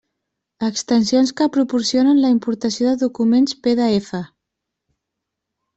Extensions que proporcionen la importació de documents PDF.